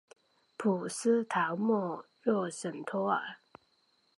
普斯陶莫诺什托尔。